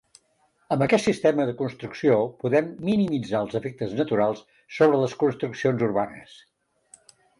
Amb aquest sistema de construcció, podem minimitzar els efectes naturals sobre les construccions urbanes.